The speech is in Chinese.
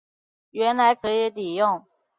原来可以抵用